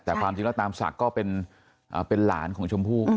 แต่ความจริงแล้วตามศักดิ์ก็เป็นหลานของชมพู่